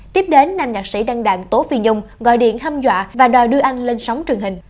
tiếp đến nam nhạc sĩ đăng đặng tố phi dung gọi điện hâm dọa và đòi đưa anh lên sóng truyền hình